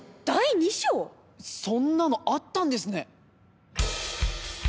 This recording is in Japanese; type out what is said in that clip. そんなのあったんですね。